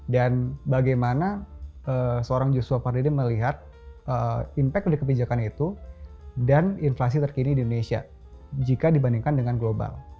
dan bagaimana seorang joshua pardede melihat impact dari kebijakan itu dan inflasi terkini di indonesia jika dibandingkan dengan global